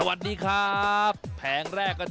หนึ่งศูนย์